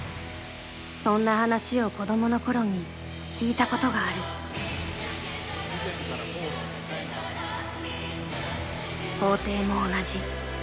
そんな話を子どもの頃に聞いたことがある法廷も同じ。